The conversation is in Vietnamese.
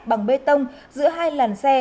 bằng bê tông giữa hai làn xe